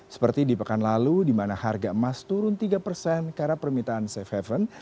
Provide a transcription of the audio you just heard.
seperti di pekan lalu di mana harga emas turun tiga persen karena permintaan safe haven